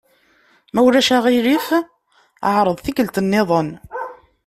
Ma ulac aɣilif εreḍ tikkelt-nniḍen.